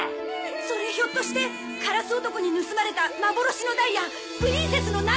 それひょっとしてカラス男に盗まれた幻のダイヤプリンセスの涙！？